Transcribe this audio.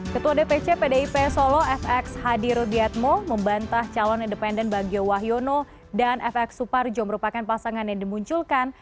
ketua dpc pdip solo fx hadi rudiatmo membantah calon independen bagio wahyono dan fx suparjo merupakan pasangan yang dimunculkan